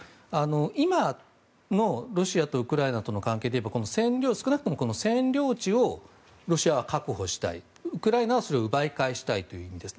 今のロシアとウクライナとの関係でいえば、少なくとも占領地をロシアは確保したいウクライナはそれを奪い返したいという意味です。